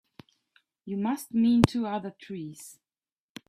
You must mean two other trees.